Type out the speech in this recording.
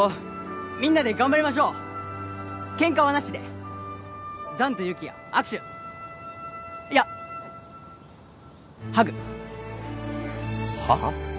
みんなで頑張りましょうケンカはなしで弾と有起哉握手いやハグはっ？